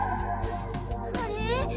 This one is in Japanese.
あれ？